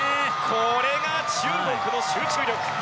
これが中国の集中力！